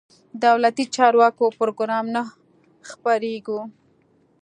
دولتي چارواکو پروګرام نه خبرېږو.